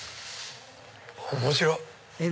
面白い！